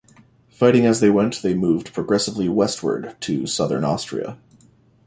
Fighting as they went, they moved progressively westward to southern Austria.